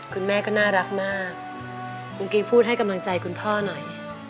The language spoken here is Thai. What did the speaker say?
คุณแม่ก็น่ารักมากคุณกิ๊กพูดให้กำลังใจคุณพ่อหน่อย